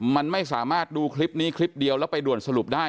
มันไม่สามารถดูคลิปนี้คลิปเดียวแล้วไปด่วนสรุปได้